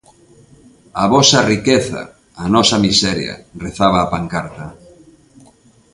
"A vosa riqueza, a nosa miseria", rezaba a pancarta.